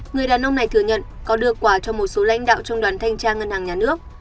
người đàn ông này thừa nhận có đưa quà cho một số lãnh đạo trong đoàn thanh tra ngân hàng nhà nước